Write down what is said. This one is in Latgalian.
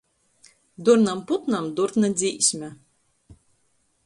Durnam putnam durna dzīsme.